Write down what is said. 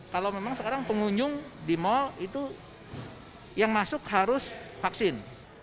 kalau memang sekarang pengunjung di mal itu yang masuk harus vaksin